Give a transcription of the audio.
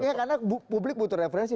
ya karena publik butuh referensi